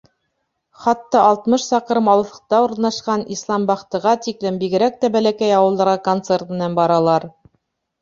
Хатта алтмыш саҡрым алыҫлыҡта урынлашҡан Исламбахтыға тиклем, бигерәк тә бәләкәй ауылдарға концерт менән баралар.